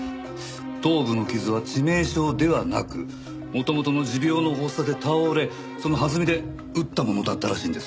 頭部の傷は致命傷ではなく元々の持病の発作で倒れその弾みで打ったものだったらしいんです。